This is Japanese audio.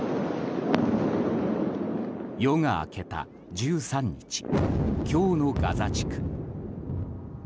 夜が明けた１３日今日のガザ地区。